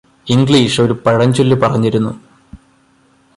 English ഒരു പഴഞ്ചൊല്ല് പറഞ്ഞിരുന്നു